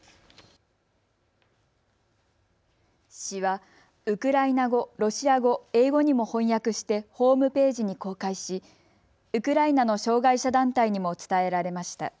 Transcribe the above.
詩はウクライナ語、ロシア語、英語にも翻訳してホームページに公開しウクライナの障害者団体にも伝えられました。